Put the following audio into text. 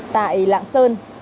tại lạng sơn